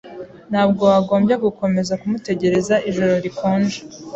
Ntabwo wagombye gukomeza kumutegereza ijoro rikonje.